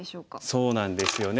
そうなんですよね。